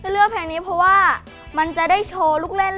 เลือกเพลงนี้เพราะว่ามันจะได้โชว์ลูกเล่น